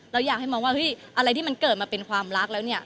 เราอยากให้มองว่าเฮ้ยอะไรที่มันเกิดมาเป็นความรักแล้วเนี่ย